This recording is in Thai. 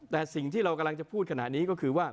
แต่สิ่งที่เรากำลังจะพูดขณะนี้ก็คือว่า